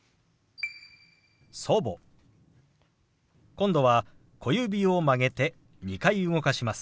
今度は小指を曲げて２回動かします。